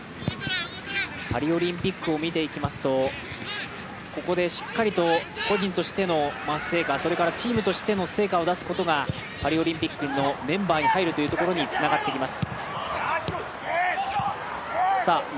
パリオリンピックを見ていきますと、ここでしっかりと個人としての成果、それからチームとしての成果を出すことがパリオリンピックのメンバーに入るというところにつながってきます。